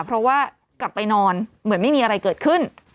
เพราะว่ากลับไปนอนเหมือนไม่มีอะไรเกิดขึ้น